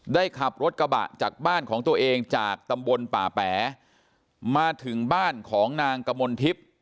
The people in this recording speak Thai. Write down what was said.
ขับรถกระบะจากบ้านของตัวเองจากตำบลป่าแป๋มาถึงบ้านของนางกมลทิพย์